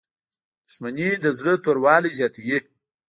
• دښمني د زړه توروالی زیاتوي.